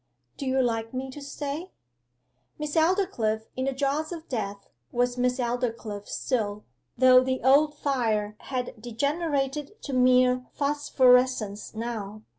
Do you like me to stay?' Miss Aldclyffe in the jaws of death was Miss Aldclyffe still, though the old fire had degenerated to mere phosphorescence now.